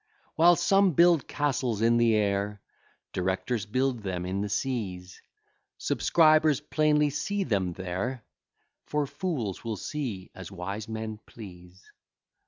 While some build castles in the air, Directors build them in the seas; Subscribers plainly see them there, For fools will see as wise men please.